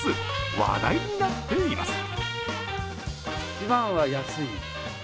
話題になっています。